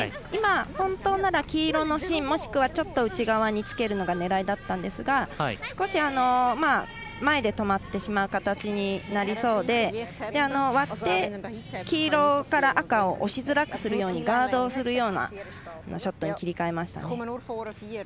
本当なら黄色をちょっと内側につける狙いだったんですが少し前で止まってしまう形になりそうで割って、黄色から赤を押しづらくするようにガードをするようなショットに切り替えましたね。